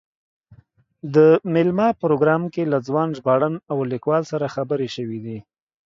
د مېلمه پروګرام کې له ځوان ژباړن او لیکوال سره خبرې شوې دي.